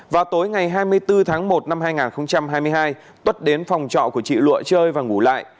vào tối ngày hai mươi bốn tháng một năm hai nghìn hai mươi hai tuất đến phòng trọ của chị lụa chơi và ngủ lại